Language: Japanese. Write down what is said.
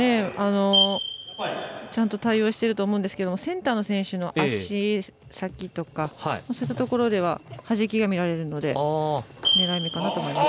ちゃんと対応してると思うんですけどセンターの選手の足先とかそういったところでは弾きが見られるので狙い目かなと思います。